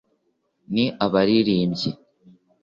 ni abaririmbyi